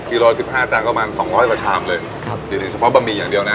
กิโลล้าสิบห้าจานสำหรับสองร้อยกว่าชามอยู่ถึงเฉพาะประหมี่อย่างเดียวนะ